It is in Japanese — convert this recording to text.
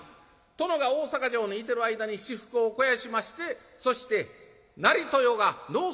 殿が大坂城に居てる間に私腹を肥やしましてそして成豊が脳卒中で倒れてしまいます。